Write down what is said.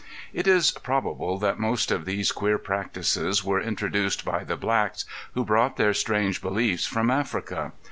It is probable that most of these queer practices were introduced by the blacks who brought their strange beliefs from Africa.